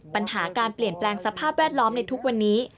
ปัญหาการเปลี่ยนแปลงสภาพแวดล้อมในทุกวันนี้